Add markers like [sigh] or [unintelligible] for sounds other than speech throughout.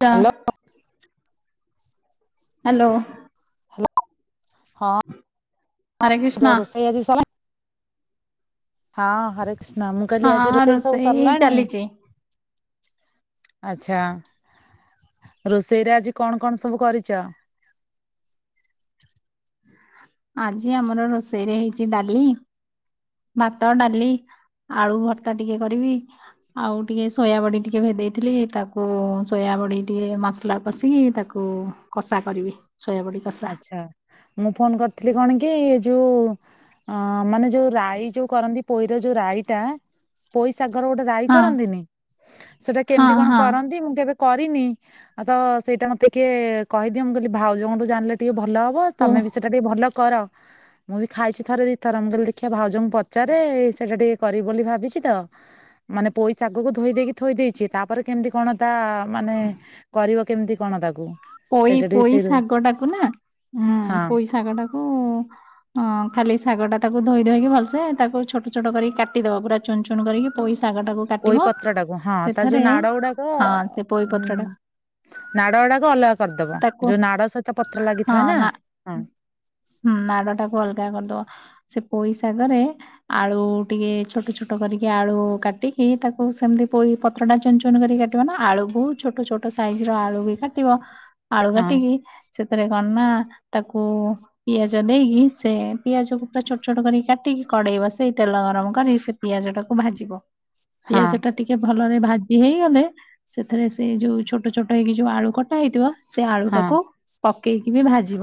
ଟ hello hello. Hello ହଁ [inaudible] ହରେ କୃଷ୍ଣ। ଏଜି ସ ହଁ ହରେ [inaudible] ସ୍ନା ମୁଁ କାଲି ଆଜି ହଁ ରୋଷେଇ ସବୁ ସରିଲାଣି। ଚାଲିଛି। ଆଚ୍ଛା ରୋଷେଇରେ ଆଜି କଣ କଣ ସବୁ କରିଛ। ଆଜି ଆମର ରୋଷେଇରେ ହେଇଛି ଡାଲଲି ଭାତ ଡାଲି ଆଳୁ ଭର୍ତ୍ତା ଟିକେ କରିବି। ଆଉ ଟିକିେ ସୋୟାବଡ଼ି ଟିକେ ଭେ ଦେଇେଇଥିଲି ତାକୁ ସୟାବଡ଼ି ଟିକେ ମସଲା କଷିକି ତାକୁ କଷା କରିବି ଶୋଇଆ ବଢି। ଆଛା ମୁଁ ଫୋନ କରିଥିଲି କଣ କି ଯୋଉ ମାନେ ଯୋଉ ରାଇ ଯୋଉ କରନ୍ତି ପୋଇର ଯୋଉ ରଈ ଟା ପୋଇସାଗର ଗୋଟେ ଦାଇ ହଁ କରନ୍ତିନି ସେଟା ହଁ କେମିତି କଣ ହଁ କରନ୍ତି ମୁଁ କେବେ କରିନି ଆଉ ତ ସେଇଟା ମତେ ଟିକେ କହିଦିଅ କହିଲି ଭାଉଜଙ୍କଠୁ ଜାଣିଲେ ଟିକେ ଭଲ ହବ। ଓ ତମେ ବି ସେଟା ଟିକେ ଭଲ କର ମୁଁ ବି ଖାଇଛି ଥରେ ଦି ଥରମ ଗଲି ଦେଖିବା ଭାଉଜଙ୍କୁ ପଚାରେ ସେଇଟା ଟିକେ କରିବ ବୋଲି ଭାବିଛି ତ ମାନେ ପଇ ଶ ଆାଗକୁ ଧୋଇ ଦେଇେଇକି ଥୋଇ ଦେଇେଇଛି ତାପରେ କେମିତି କଣ ତା ମାନେ କରିବ କେମିତି କଣ ତାକୁ ପୋଇ ସେଇଟା ଟିକେ ପୋଇ ସେଇ ଶାଗ ଟାକୁ ନା ହଁ ପୋଇ ଶାଗଟାକୁ ହଁ ଖାଲି ଶାଗ ଟା ତାକୁ ଧୋଇ ଧୋଇକି ଭଲସେ ତାକୁ ଛୋଟ ଛୋଟ କରିକି କାଟିଦବ ପୁରା ଚୁ ଚୁନ କରିକି ପୋଇ ଶାଗାଟାକୁ ଇ ପତ୍ର ଟାକୁ ହଁ ତା ଯୋଉ ନାଡ ଗୁଡାକ ହଁ ସେ ପୋଇ ପତ୍ର ଉଁ ଟା ନାଡ ଗୁଡାକ ଅଲଗା କରିଦବ ତାକୁ ଯୋଉ ନାଡ ସହିତ ପତ୍ର ଲାଗିଥାଏ ନା ହଁ ହୁଁ ନାଡ ଟାକୁ ଅଲଗା କରିଦବା ସେ ପୋଇଶାଗରେ ଆଳୁ ଟିକେ ଛୋଟ ଛୋଟ କରିକି ଆଳୁ କାଟିକି ତାକୁ ସେମତି ପ କତଟା ଚନ ଚୁନ କରି କାଟିବ ନା ଆଳୁ ବହୁ ଛୋଟ ଛୋଟ ସାଇଜ ର ଆଳୁ ବି କାଟିବ। ଆଳୁ ହଁ କାଟିକି ସେଥିରେ କନା ତାକୁ ପିଆଜ ଦେଇକି ସେ ପିଆଜକୁ ପୁରା ଛୋଟ ଛୋଟ କରିକି କାଟିକି କଡେଇବା ସେଇ ତେଲ ଗରମ କରି ପିଆଜଟାକୁ ଭାଜିବ ହଁ ପିଆଜଟା ଟିକେ ଭଲରେ ଭାଜି ହେଇଗଲେ ସେଥିରେ ସେ ଯୋଉ ଛୋଟ ଛୋଟ ହେଇକି ଯୋଉ ଆଳୁ କଟା ହେଇଥିବ। ସେ ଆଳୁ ହଁ ଟାକୁ ପକେଇକି ବି ଭାଜିବ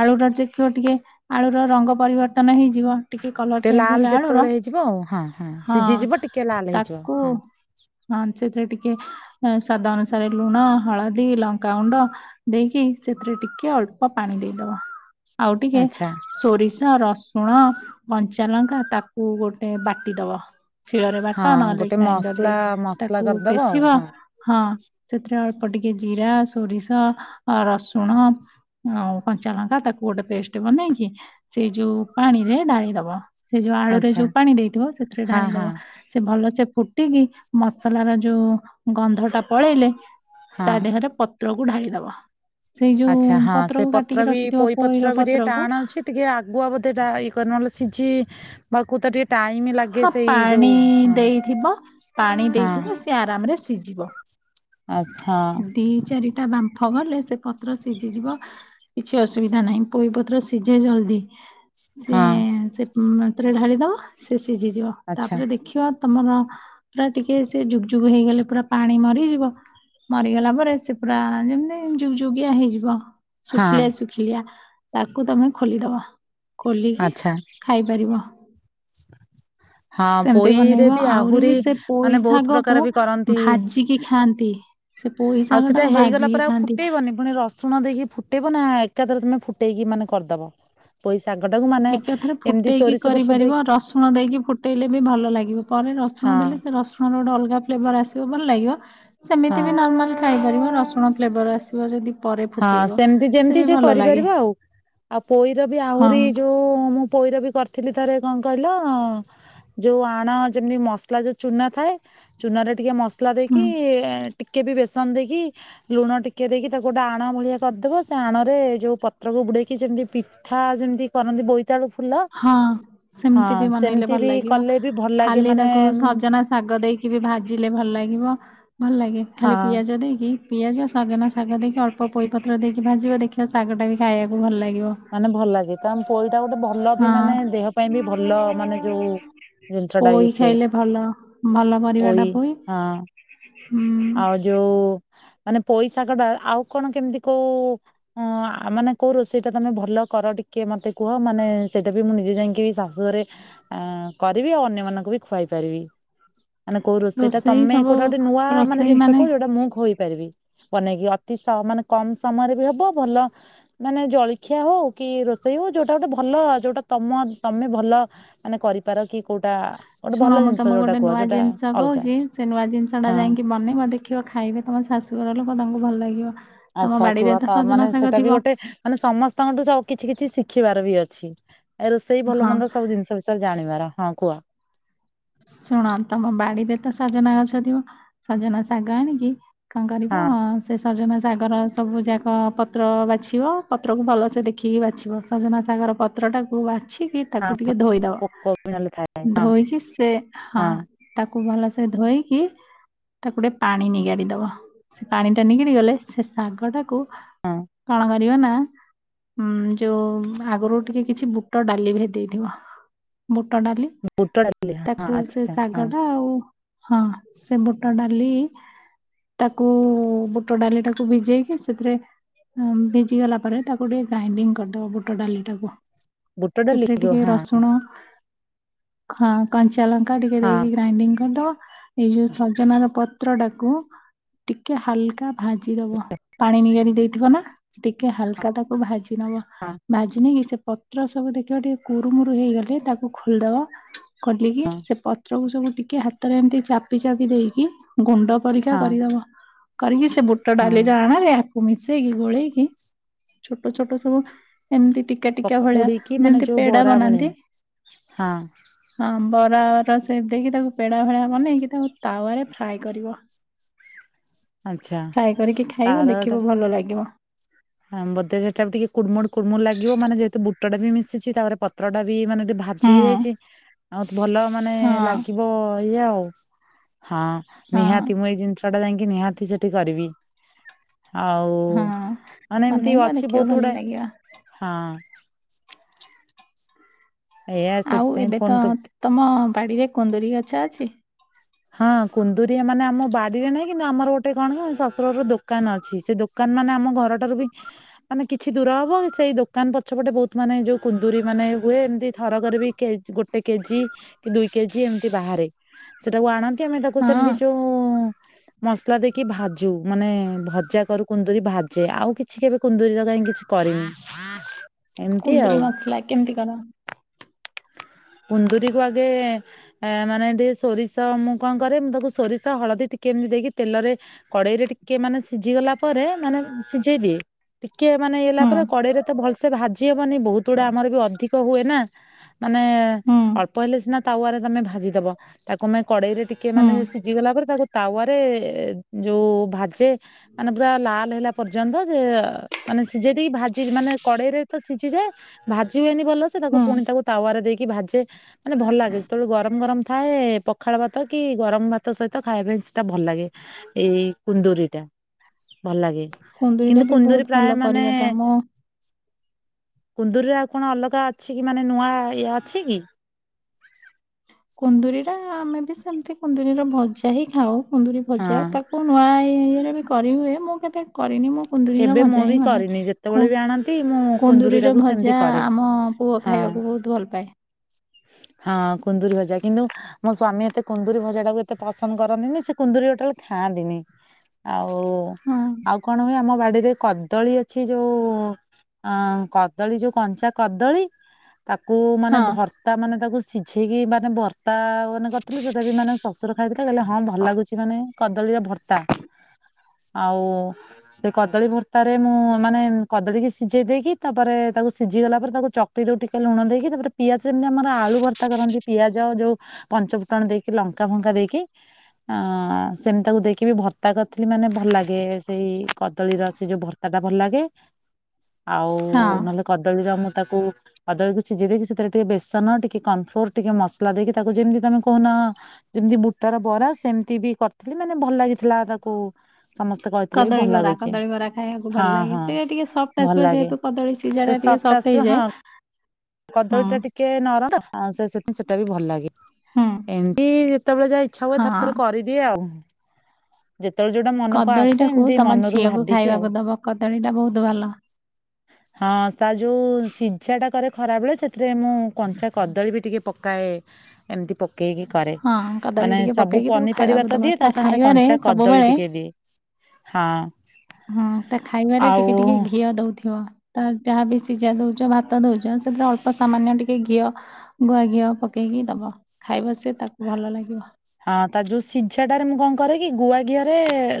ଆଳୁ ଟା ଦେଖିବ ଟିକେ ଆଳୁର ରଙ୍ଗ ପରିବର୍ତ୍ତନ ହେଇଯିବ। ଟିକେ କଲର ଚେଞ୍ଜ ଲାଲ ହେଲା ଆଳୁ ର ଯେତେବେଳେ ହେଇଯିବ ଆଉ ହଁ ହଁ ସିଝିଯିବ ଟିକେ ଲାଲ ହେଇଯିବ ତାକୁ ହଁ ହଁ ସେଥିରେ ଟିକେ, ସ୍ୱାଦଅନୁସାରେ ଲୁଣ, ହଳଦୀ, ଲଙ୍କାାଗୁଣ୍ଡ, ଦେଇକି ସେଥିରେ ଟିକେ ଅଳ୍ପ ପାଣି ଦେଇଦବା। ଆଉ ଟିକେ ଆଚ୍ଛା ସୋରିଷ ରସୁନା ରସୁଣ କଞ୍ଚାଲଙ୍କା ତାକୁ ଗୋଟେ ବାଟି ଦବ। ଶିଳରେ ବାଟ ହଁ ନହେଲେ ଗୋଟେ ଗ୍ରାଇଣ୍ଡର ରେ ମସଲା ମସଲା ତାକୁ କରିଦବ ଆଉ ପେେଶିବ। ହଁ ହଁ ସେଥିରେ ଅଳ୍ପ ଟିକେ ଜିରା, ସୋରିଷ, ରସୁଣ। ଆଉ କଞ୍ଚା ଲଙ୍କା ତାକୁ ଗୋଟେ ପେଷ୍ଟ ବନେଇକି ସେଇ ଯୋଉ ପାଣି ରେ ଡାଳିଦବ। ସେ ଯୋଉ ଆଳୁରେ ଆଚ୍ଛା ଯୋଉ ପାଣି ଦେଇଥିବ। ସେଥିରେ ହଁ ଢାଳି ହଁ ଦବ। ସେ ଭଲ ସେ ଫୁଟିକି ମସଲାର ଯୋଉ ଗନ୍ଧଟା। ପଳେଇଲେ ତା ହଁ ଦେହରେ ପତ୍ରକୁ ଢାଳିଦବ। ସେଇ ଯୋଉ ଆଚ୍ଛା ହଁ ସେ ପତ୍ରକୁ ପତ୍ର କାଟିକି ବି ରଖିଥିବ ପୋଇ ପତ୍ର ପୋଇର ବି ଟିକେ ପତ୍ରକୁ। ଟାଣ ଅଛି ଟିକେ ଆଗୁଆ ବଧେଇଟା ଇଏ ନହେଲେ ସିଝି ବା କୁ ତାକୁ ଟିକେ। ଟାଇମ ଲାଗେ ହଁ ସେଇ ଯୋଉ ପାଣି ହଁ ଦେଇଥିବ। ପାଣି ହଁ ଦେବ ସିଏ ଆରାମରେ ସିଝିବ। ଆଚ୍ଛା। ଦି ଚାରିଟା ବାମ୍ଫ ଗଲେ ସେ ପତ୍ର ସିଝିଯିବ। କିଛି ଅସୁବିଧା ନାହିଁ। ପୋଇପତ୍ର ସିଝେ ଜଲଦି। ସି ହଁ ଏ ସେ ମାତରେ ଢାଳିଦବା ସେ ସିଝିଯିବ ଆଚ୍ଛା ତାପରେ ଦେଖିବା ତମର ସେ ପୁରା ଟିକେ ସେ ଯୁକ୍ ଯୁକ୍ ହେଇଗଲେ ପୁରା ପାଣି ମରିଯିବ। ମରିଗଲା ପରେ ସେ ପୁରା ଯେମତି ଯୁକ ଯୁକିଆ ହେଇଯିବ ହଁ ଶୁଖିଲେ ସେ। ତାକୁ ତମେ ଖୋଲିଦବ ଖୋଲିକି ଆଚ୍ଛା ଖାଇପାରିବ। ହଁ ସେମିତି ପୋଇରେ ବନେଇବ ଆହୁରି ବି ସେ ପୋଇ ମାନେ ବହୁତ ଶାଗ କୁ ପ୍ରକାର ବି କରନ୍ତି ଭାଜିକି ଖାଆନ୍ତି। ସେ ପୋଇ ଆଉ ସାଗ ସେଟା ଟାକୁ ହେଇଗଲା ପରେ ଭଜିକି ଆଉ ଖାଆନ୍ତି। ଫୁଟେଇବନି ପୁଣି ରସୁଣ ଦେଇକି ଫୁଟେଇବ। ନା ଏକାଥରେ ତମେ ଫୁଟେଇକି ମାନେ କରିଦବ। ପୋଇସାଗ ଟା କୁ। ଏକାଥରେ ଫୁଟେଇକି କରିପାରିବ। ରସୁଣ ଦେଇକି ଫୁଟେଇଲେ ବି ଭଲ ଲାଗିବ। ପରେ ହଁ ରସୁଣ ଦେଲେ ସେ ରସୁଣ ଆମର ଗୋଟେ ଅଲଗା ଫ୍ଲେଭର ଆସିବ ଭଲ ଲାଗିବ। ହଁ ସେମିତି ବି ନର୍ମାଲ ଖାଇପାରିବ। ରସୁଣ ଫ୍ଲେଭର ଆସିବ ଯଦି ପରେ ହଁ ଫୁଟେ ଇବ। ସେମିତି ଯେମିତି ସେ କରିପାରିବ। ଆଉ ଆଉ ପୋଇର ବି ହଁ ଆହୁରି ଯୋଉ ମୁଁ ପୋଇର ବି କରିଥିଲି ଥରେ କଣ କହିଲ? ଯୋଉ ଆଣ ଯେମିତି ମସଲା ଯୋଉ ଚୁନା ଥାଏ। ଚୁନା ରେ ଟିକେ ମସଲା ଦେଇକି। ହୁଁ। ଟିକେ ବି ବେସନ ଦେ ଇ। ଲୁଣ ଟିକେ ଦେଇକି ତାକୁ ଗୋଟେ ଆଣ ଭଳିଆ କରିଦବ। ସେ ଆଣ ରେ ଯୋଉ ପତ୍ରକୁ ବୁଡେଇକି ଯେମିତି। କଥା ଯେମିତି କରନ୍ତି ବହୁତ। କେତେବେୁ ଫୁଲ [inaudible] ହଁ ହଁ ସେମିତି ବି ବ ସେମିତି ଭଲ ବି ଲାଗିବ। କଲେ ବି ଭଲ ଲାଗେ ଖାଲି ମାନେ ତାକୁ ସଜନା ଶାଗ ଦେଇକି ବି ଭାଜିଲେ ଭଲ ଲାଗିବ। ଭଲ ଲାଗେ ହଁ ଖାଲି ପିଆଜ ଦେଇକି। ପିଆଜ ସଜନା ଶାଗ ଦେଇକି। ଅଳ୍ପ ପୋଇପତ୍ର ଦେଇକି ଭାଜିବ। ଦେଖିବା ଶାଗଟା ବି ଖାଇବାକୁ ଭଲ ଲାଗିବ। ମାନେ ଭଲ ଲାଗେ। ତା ପୋଇଟା ଗୋଟେ ଭଲ ବି ମାନେ ହଁ ଦେହ ପାଇଁ ବି ଭଲ ମାନେ ଯୋଉ, ଜିନିଷଟା ପୋଇ ଇ ଫେ ଖାଇଲେ ଭଲ ଭଲ ପରିବା ଟା ଓୋଇ ପୋଇ ହଁ ଉଁ ଆଉ ଯୋଉ ମାନେ ପୋଇଶଗ ଟା କଡା ଆଉ କଣ କେମିତି କୋଉ। ହଁ ମାନେ କୋଉ ରୋଷେଇ ଟା ତମେ ଭଲ କର ଟିକେ ମତେକୁହ। କୁହ ମାନେ ସେଇଟା ବି ମୁଁ ନିଜେ ଯାଇକି ବି ଶାଶୁଘରେ। ଅ କରିବି ଆଉ ଅନ୍ୟମାନଙ୍କୁ ବି ଖୁଆଇ ପାରିବି। ମାନେ କୋଉ ରୋ ସେଇଟା ରୋଷେଇ ତମେମାନେ ସବୁ ଗୋଟେ ନୂଆ ମାନେ ଜିନିଷ କହୁଛ। ସେଟା ମୁଁ ଖୋଇପାରିବି ବନେଇକି ଅତି ସ ମାନେ କମ୍ ସମୟରେ ବି ହବ ଭଲ ମାନେ ଜଳଖିଆ ହଉ କି ରୋଷେଇ ହଉ ଯୋଉଟା ଗୋଟେ ଭଲ ଯୋଉଟା ତମ ତମେ ଭଲ ମାନେ କରିପାର କି କୋଉଟା ଗୋଟେ ଶୁଣ ଭଲ ମୁଁ ଜିନିଷ ତମକୁ ଯୋଉଟା ଗୋଟେ କୁହ ନୂଆ ଯୋଉଟା ଜିନିଷ ଅଲଗା କହୁଚି ସେ ନୂଆ ଜିନିଷ ଟା ହଁ। ଯାଇକି ବନେଇବ ଦେ ଦେଖିବ ଖାଇବେ ତୁମ ଶାଶୁଘର ଲୋକ ତାଙ୍କୁ ଭଲ ଲାଗିବ। ତମ ଆଚ୍ଛା ବାଡିରେ କୁଅ ତ ତା ସଜନା ମାନେ ଶାଗ ସେଟା ଥିବ ବି ଗୋଟେ ମାନେ ସମସ୍ତଙ୍କଠୁ ସ କିଛି କିଛି ଶିଖିବାର ବି ଅଛି ଏ ରୋଷେଇ ଭଲ ହଁ ମନ୍ଦ ସବୁ ଜିନିଷ। ବିଷୟରେ ଜାଣିବାର ହଁ କୁହ। ଶୁଣ ତମ ବାଡିରେ ତ ସଜନା ଗଛ ଥିବ ସଜନା ଶାଗ ଆଣିକି କଣ ହଁ କରିବ? ସେ ସଜନା ସାଗର ସବୁ ଯାକ ପତ୍ର ବାଛିବ ପତ୍ରକୁ ଭଲସେ ଦେଖିକି ବାଛିବ ସଜନା ସାଗର ପ ପତ୍ର ଟାକୁ ବାଛିକି ହଁ ତାକୁ ଟିକେ ପୋକ ବି ନହେଲେ ଥାଏ ଧୋଇଦବ ହଁ ଧୋଇକି ସେ ହଁ ତାକୁ ଭଲସେ ଧୋଇକି ତାକୁ ଟିକେ ପାଣି ନିଗାଡି ଦବ ସେ ପାଣି ଟା ନିଗିଡି ଗଲେ ସେ ଶାଗ ଟାକୁ ହଁ କଣ କ [unintelligible] ନା ଉଁ ଯୋଉ ଆଗରୁ ଟିକେ କିଛି ବୁଟ ଡାଲି ଭିଦେଇ ଥିବ ବୁଟ ଡାଲି। ବୁଟ ଡାଲିଆ ତାକୁ ସେ ଶାଗ ଟା ଆଉ ହଁ ସେ ବୁଟ ଡାଲି ତାକୁ ବୁଟ ଡାଲି ଟାକୁ ଭିଜେଇକି ସେଥିରେ ଭିଜି ଗଲା ପରେ ତାକୁ ଟିକେ ଗ୍ରାଇଣ୍ଡିଙ୍ଗି କରିଦବ ବୁଟ ଡାଲି ଟାକୁ। ବୁଟ ଡାଲି ସେଥିରେ ହଁ ଟିକେ ହଁ ରସୁଣ ହଁ କଞ୍ଚା ଲଙ୍କା ଟିକେ ହଁ ଦେଇକି ଗ୍ରାଇଣ୍ଡଙ୍ଗି କରି ଦବ ଏଇ ଯୋଉ ସଜନ ର ପତ୍ର ଟାକୁ ଟିକେ ହାଲକା ଭାଜି ଦବ ପାଣି ନିିଗାଡି ଦେଇଥିବ ନା? ଟିକେ ହାଲକା ତାକୁ ଭାଜି ନବ ଭାଜି ନେଇକି ସେ ପ ପତ୍ର ସବୁ ଦେଖିବ ଟିକେ କୁରୁମୁରୁ ହେଇଗଲେ ତାକୁ ଖୋଲିଦବ ଖୋଲିକି ହଁ ସେ ପ ପତ୍ର କୁ ସବୁ ଟିକେ ହାତରେ ଏମିତି ଚାପି ଚାପି ଦେଇକି ଗୁଣ୍ଡ କରିକା ହଁ କରିଦବ କରିକି ସେ ବୁଟ ହଁ ଡାଲିରେ ଅଣରେ ମିଶେଇକି ଗୋଳେଇକି ଛୋଟ ଛୋଟ ସବୁ ଏମିତି ଟିକା ଟିକା ଭଳିଆ ପକୁଡିକି ମାନେ ଯେମିତି ଯୋଉ ପେଡା ବରା ଭଳିଆ ବନାନ୍ତି ହଁ। ହଁ ବରାର ସେକ ଦେଇକି ତାକୁ ପେଡ଼ା ଭଳିଆ ବନେଇକି ତାକୁ ତାୱାରେ ଫ୍ରାଏ କରିବ। [inaudible] ଆଚ୍ଛା ଫ୍ରାଏ କରିକି ଖାଇବ ଦେଖିବ ଭଲ ଲାଗିବ। ଆଁ ବୋଧେ ସେଟା ବି ଟିକେ କୁଡୁମୁଡୁ କୁଡୁମୁଡୁ ଲାଗିବ ମାନେ ଯେହେତୁ ବୁଟ ଡାଲି ମିଶିଛି ତାପରେ ପତ୍ରଟା ବି ମାନେ ଭା ହୁଁ ଭାଜି ହେଇ ଯାଇଚି ଆଉ ଭଲ ମାନେ ହଁ ଲାଗିବ ଏଇୟା ଆଉ ହଁ। ହଁ ନିହାତି ମୁଁ ଏଇ ଜିନିଷ ଟା ଯାଇଁକି ନିହାତି ସେଠି କରିବି ଆଉ ହଁ ମାନେ ଏମିତି ବନେଇବ ଅଛି ଦେଖିବ ବହୁତୁ ଭଲ ଗୁଡାଏ ଲାଗିବ ହଁ। ଏଇଆ ଆଉ ସେଥିପାଇଁ ଏବେ ଫୋନ ତ କରିଥିଲି ତମ ବାଡିରେ କୁନ୍ଦୁରି ଗଛ ଅଛି? ହଁ କୁନ୍ଦୁରି ମାନେ ଆମ ବାଡିରେ ନାହିଁ କିନ୍ତୁ ଆମର ଗୋଟେ କଣ ଶଶୁରର ଦୋ ଦୋକାନ ଅଛି ସେ ଦୋକାନ ମାନେ ଆମ ଘରଟାରୁ ବି ମାନେ କିଛି ଦୂର ହବ ସେଇ ଦୋକାନ ପଛପଟେ ବହୁତୁ ମାନେ ଯୋଉ କୁନ୍ଦୁୁରୀ ମାନେ ହୁଏ ଏମିତି ଥରକରେ ବି କେ ଗୋଟେ କେଜି କି ଦୁଇ କେଜି ଏମିତି ବାହାରେ। ସେଟାକୁ ଆଣନ୍ତି ଆମେ ତାକୁ ହଁ ସେମିତି ଯୋଉ ମସଲା ଦେଇକି ଭାଜୁ ମାନେ ଭଜା କରୁ କୁନ୍ଦୁରି ଭାଜେ ଆଉ କିଛି କେବେ କୁନ୍ଦୁରିର କାଇଁ କିଛି କରିନି। ଏମ୍ତି କୁନ୍ଦୁରି ଆଉ। ମସଲା କେମିତି କର କୁନ୍ଦୁରିକୁ ଆଗେ ମାନେ ଟିକେ ସୋରିଷ ତ ମୁଁ କଣ କରେ, ମୁଁ ତାକୁ ସୋରିଷ ହଳଦୀ ଟିକେ ଏମିତି ଦେଇକି ତେଲରେ କଡେଇରେ ଟିକେ ମାନେ ସିଝିଗଲା ପରେ ମାନେ ସିଝେଇ ଦିଏ। ଟିକେ ମାନେ ଇଏ ହେଲା ହୁଁ ପରେ କଡେଇରେ ତ ଭଲସେ ଭାଜି ହବନି ବହୁତ ଗୁଡା। ଆମର ବି ଅଧିକ ହୁଏ ନା। ମାନେ ହୁଁ ଅଳ୍ପ ହେଲେ ସିନା ତାୱାରେ ତମେ ଭାଜିଦବ। ତାକୁ ଆମେ କଡେଇରେ ଟିକେ ହୁଁ ମାନେ ସିଝି ଗଲା ପରେ ତାକୁ ତାୱରେ ଯୋଉ ଭାଜେ। ମାନେ ପୁରା ଲାଲ ହେଲା ପର୍ଯ୍ୟନ୍ତ। ଯେ ମାନେ ସିଝେଇ ଦେଇକି ଭାଜି ମାନେ କଡେଇରେ ତ ସିଝିଯାଏ। ଭାଜି ହୁଏନି ଭଲସେ। ତାକୁ ହୁଁ ପୁଣି ତାକୁ ତାୱରେ ଦେଇକି ଭାଜେ ମାନେ ଭଲ ଲାଗେ ଯେତେବେଳେ ଗରମ ଗରମ ଥାଏ। ପଖାଳ ଭାତ କି ଗରମ ଭାତ ସହିତ ଖାଇବା ପାଇଁ ସେଇଟା ଭଲ ଲାଗେ। ଏଇ କୁନ୍ଦୁରିଟା ଭଲ ଲାଗେ କୁନ୍ଦୁରିଟା କିନ୍ତୁ ବି ବହୁତ କୁନ୍ଦୁରି ଭଲ ପ୍ରାୟ ମାନେ ପରିବାଟା ମୁଁ କୁନ୍ଦୁରିରେ ଆଉ କଣ ଅଲଗା ଅଛି କି ମାନେ ନୂଆ ଇଏ ଅଛି କି? କୁନ୍ଦୁୁରିର ଆମେ ବି ସେମିତି କୁନ୍ଦୁରିର ଭଜା ହିଁ ଖାଉ। କୁନ୍ଦୁରି ଭଜା ହଁ ତାକୁ ନୂଆ ଇଏରେ ବି କରି ହୁଏ। ମୁଁ କେବେ କରିନି? ମୁଁ କୁନ୍ଦୁୁରର କେବେ ମୁଁ ଭଜା ହିଁ ବି ମାନାଏ। କରିନି ଯେତେବେଳେ ବି ଆଣନ୍ତି ମୁଁ କୁନ୍ଦୁରି କୁ-କୁନ୍ଦୁରିର ଟାକୁ ସେମିତି ଭଜା କରେ। ଆମ ପୁଅ ହଁ ଖାଇବାକୁ ବହୁତ ଭଲ ପାାଏ। ହଁ କୁନ୍ଦରି ଭଜା କିନ୍ତୁ ମୋ ସ୍ଵାମୀ ଏତେ କୁନ୍ଦୁରି ଭଜା ଟାକୁ ଏତେ ପସନ୍ଦ କରନ୍ତିନି। ସେ କୁନ୍ଦୁରି ଟୋଟାଲ ଖାଆନ୍ତିନି। ଆଉ ହଁ ଆଉ କଣ ହୁଏ, ଆମ ବାଡିରେ କଦଳୀ ଅଛି ଯୋଉ ଅଁ କଦଳୀ ଯୋଉ କଞ୍ଚା କଦଳୀ ତାକୁ ମାନେ ହଁ ଭର୍ତ୍ତା ମାନେ ତାକୁ ସିଝେଇକି ମାନେ ଭର୍ ଭତ୍ତା ମାନେ କରିଥିଲି ସେଇଟା ବି ମାନେ ଶଶୁର ଖାଇଥିଲେ କହିଲେ ହଁ ଭଲ ଲାଗୁଛି ମାନେ କଦଳୀର ଭର୍ତ୍ତା। ଆଉ ସେ କଦଳୀ ଭର୍ତ୍ତାରେ ମୁଁ ମାନେ କଦଳୀକି ସିଝେଇ ଦେଇକି ତା ପରେ ତାକୁ ସିଝିଗଲା ପରେ ତାକୁ ଚ ପିଉ ଟିକେ ଲୁଣ ଦେଇକି। ତା ପରେ ପିଆଜ ଯେମିତି ଆମର ଆଳୁ ଭର୍ତ୍ତା କରନ୍ତି ପିଆଜ ଯୋଉ ପଞ୍ଚ ଫୁଟଣ ଦେଇକି ଲଙ୍କା ଫଙ୍କା ଦେଇକି ଅ ସେମିତି ତାକୁ ଦେଇକି ବି ଭର୍ତ୍ତା କରିଥିଲି ମାନେ ଭଲ ଲାଗେ। ସେଇ କଦଳୀର ସେ ଯୋଉ ଭର୍ତ୍ତାଟା ଭଲ ଲାଗେ। ଆଉ ହଁ। ନ ହେଲେ କଦଳୀର ମୁଁ ତାକୁ କଦଳୀକୁ ସିଝେଇ ଦେଇକି ସେଥିରେ ଟିକେ ବେସନ, ଟିକେ କନଫ୍ଲୋର୍, ଟିକେ ମସଲା ଦେଇକି ତାକୁ ଯେମିତି ତମେ କହୁନ ଯେମିତି ବୁଟର ବରା ସେମିତି ବି କରିଥିଲି ମାନେ ଭଲ ଲାଗିଥିଲା। ତାକୁ ସମସ୍ତେ କହିଥିଲେ ବି କଦଳୀ ଭଲ ବରା। ଲାଗୁଛି କଦଳୀ ବରା ଖାଇବାକୁ ହଁ ଭଲ ଲାଗେ। ହଁ ସେଇୟା ଟିକେ ସଫ୍ଟ ଭଲ ଆସିବ ଯେହେତୁ କଦଳୀ ସିଝାଟା ଟିକେ ସପ୍ଟ୍ ହେଇଯାଏ। ହୁଁ କଦଳୀଟା ଟିକେ ନରମ। ଅ ସେ ସେଥି ସେଟା ବି ଭଲ ଲାଗେ। ହୁଁ ଏମିତି ଯେତେବେଳେ ଯାହା ଇଚ୍ଛା ହୁଏ ଥରେ ହଁ ଥରେ କରିଦିଏ ଆଉ। ଯେତେବେଳେ ଯୋଉଟା ମନକୁ ଆସେ କଦଳୀଟାକୁ ତମ ମନରୁ ଝିଅକୁ ଖାଇବାକୁ ଦବ। କଦଳୀଟା ବହୁତ ଭଲ। ହଁ ହଁ ତା ଯୋଉ ସିଝାଟା କରେ ଖରାବେଳେ ସେଥିରେ ମୁଁ କଞ୍ଚା କଦଳୀ ବି ଟିକେ ପକାଏ। ଏମିତି ପକେଇକି କରେ ହଁ କଦଳୀ ମାନେ ଟିକେ ସବୁ ପକେଇକି ତାକୁ ଖାଇବାକୁ ପନିପରିବା ତ ଦବ ଦିଏ ତା ସାଙ୍ଗରେେ ଖାଇବାରେ କଞ୍ଚା କଦଳୀ ସବୁବେଳେ ଟିକେ ଦିଏ। ହଁ ହଁ ତା ଖାଇବାରେ ଆଉ ଟିକେ ଟିକେ ଘିଅ ଦଉଥିବ। ତ ଯାହା ବିି ସିଝା ଦଉଚ ଭାତ ଦଉଚ ସେଥିରେ ଅଳ୍ପ ସାମାନ୍ୟ ଟିକେ ଘିଅ ଗୁଆ ଘିଅ ପକେଇକି ଦବ। ଖାଇବ ସେ ତାକୁ ଭଲ ଲାଗିବ। ହଁ ତା ଯୋଉ ସିଝାଟାରେ ମୁଁ କଣ କରେ କି ଗୁଆ ଘିଅରେ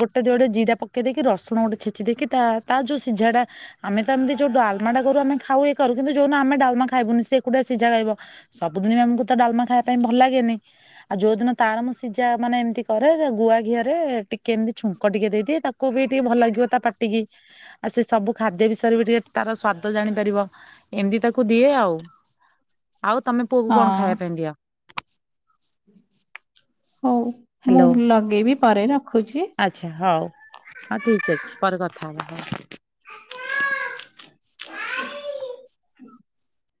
ଗୋଟେ ଯୋଡେ ଜିରା ପ ପକେଇ ଦେଇକି ରସୁଣ ଗୋଟେ ଛେଚି ଦେଇକି ତା ତା ଯୋଉ ସିଝାଟା ଆମେ ତ ଏମିତି ଯୋଉ ଡାଲମା ଟା କରୁ ଆମେ ଖାଉ ଇଏ କରୁ କିନ୍ତୁ ଯୋଉ ଦିନ ଆମେ ଡାଲମା ଖାଇବୁନୁ ସେ ଏକୁଟିଆ ସିଝା ଖାଇବ। ସବୁଦିନେ ଆମକୁ ତ ଡାଲମା ଖାଇବା ପାଇଁ ଭଲ ଲାଗେନି, ଆଉ ଯୋଉଦିନ ତାର ମୁଁ ସିଝା ମାନେ ଏମିତି କରେ ଗୁଆ ଘିଅରେ ଟିକେ ଏମିତି ଛୁଙ୍କ ଟିକେ ଦେଇ ଦିଏ, ତାକୁ ବି ଟିକେ ଭଲ ଲାଗିବ ତା ପାଟିକି। ଆଉ ସେ ସବୁ ଖାଦ୍ୟ ବିଷୟରେ ବି ଟିକେ ତାର ସ୍ଵାଦ ଜାଣିପାରିବ ଏମିତି ତ କୁ ଦିଏ ଆଉ, ଆଉ ତମେ ପୁଅକୁ ହଁ କଣ ଖାଇବା ପାଇଁ ଦିଅ? ହଉ ମୁଁ ହ୍ୟାଲୋ ଲଗେଇବି ପରେ ରଖୁଛି। ଆଚ୍ଛା ହଉ ହଁ ଠିକ ଅଛି ପରେ କଥା ହବା ହଉ। [unintelligible]